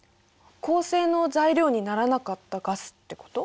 恒星の材料にならなかったガスってこと？